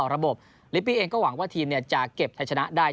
ระบบหรือพี่เองก็หวังว่าทีมเนี้ยจะเก็บไทยชนะได้